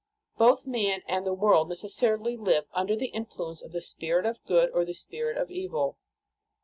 Both man and the world necessarily live under the influence of the Spirit of good or the Spirit of evil.